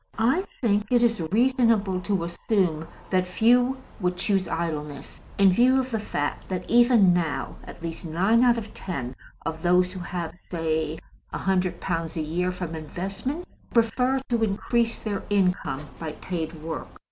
I think it is reasonable to assume that few would choose idleness, in view of the fact that even now at least nine out of ten of those who have (say) 100 pounds a year from investments prefer to increase their income by paid work.